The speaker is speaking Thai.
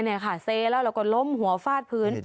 นี่ค่ะเซแล้วเราก็ล้มหัวฟาดพื้นเสียชีวิต